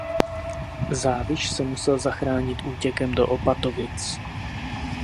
Záviš se musel zachránit útěkem do Opatovic.